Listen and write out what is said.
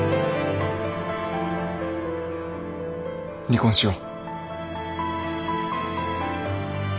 離婚しよう。